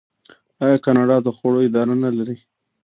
آیا کاناډا د خوړو اداره نلري؟